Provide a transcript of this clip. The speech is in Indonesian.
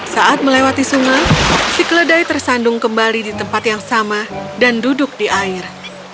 saat melewati sungai si keledai tersandung kembali di tempat yang sama dan duduk di air